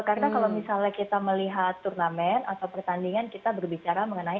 karena kalau misalnya kita melihat turnamen atau pertandingan kita berbicara mengenai atlet ya